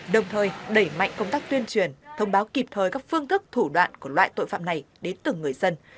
đồng thời đẩy mạnh công tác tuyên truyền thông báo kịp thời các phương thức thủ đoạn của loại tội phạm này đến từng người dân